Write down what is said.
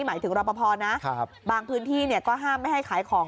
หมายถึงรอปภนะบางพื้นที่ก็ห้ามไม่ให้ขายของ